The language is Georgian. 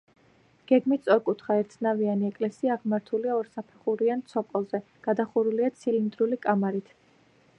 გეგმით სწორკუთხა, ერთნავიანი ეკლესია აღმართულია ორსაფეხურიან ცოკოლზე, გადახურულია ცილინდრული კამარით.